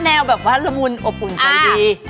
แนวแบบว่าละมุนอบอุ่นใจดี